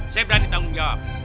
saya berani tanggung jawab